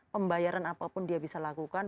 pembayaran apapun dia bisa lakukan